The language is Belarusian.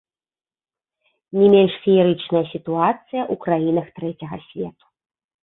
Не менш феерычная сітуацыя ў краінах трэцяга свету.